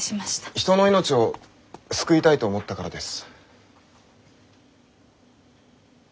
人の命を救いたいと思ったからです。